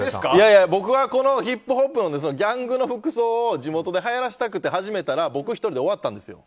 僕は、このヒップホップのギャングの服装を地元ではやらせたくて始めたら、僕１人で終わったんですよ。